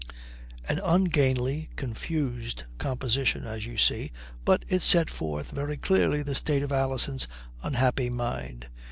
An ungainly, confused composition, as you see, but it set forth very clearly the state of Alison's unhappy mind.